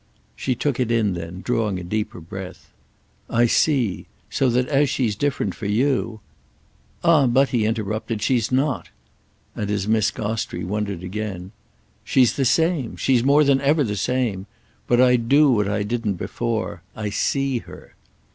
She took it in then, drawing a deeper breath. "I see. So that as she's different for you—" "Ah but," he interrupted, "she's not." And as Miss Gostrey wondered again: "She's the same. She's more than ever the same. But I do what I didn't before—I see her."